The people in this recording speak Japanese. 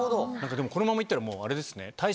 でもこのままいったらもうあれですね。